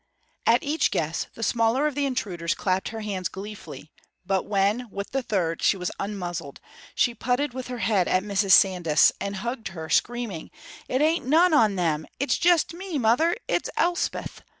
At each guess the smaller of the intruders clapped her hands gleefully, but when, with the third, she was unmuzzled, she putted with her head at Mrs. Sandys and hugged her, screaming, "It ain't none on them; it's jest me, mother, it's Elspeth!"